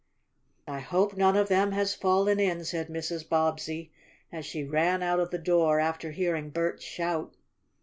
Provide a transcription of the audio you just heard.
"I hope none of them has fallen in!" said Mrs. Bobbsey as she ran out of the door, after hearing Bert's shout.